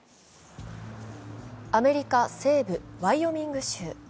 アメリカ西部、ワイオミング州。